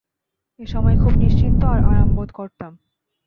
এ সময়ে খুব নিশ্চিন্ত আর আরামবোধ করতাম।